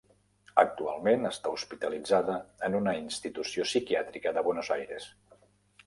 Actualment està hospitalitzada en una institució psiquiàtrica de Buenos Aires.